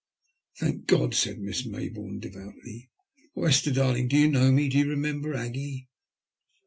" Thank God," said Miss Mayboume, devoutly. " Oh, Esther darling, do you know me ? Do you remember Aggie?"